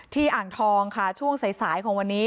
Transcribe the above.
อ่างทองค่ะช่วงสายของวันนี้